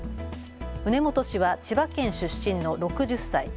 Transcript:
畝本氏は千葉県出身の６０歳。